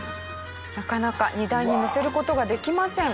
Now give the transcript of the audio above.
なかなか荷台に載せる事ができません。